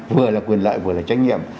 vừa là quyền lợi vừa là trách nhiệm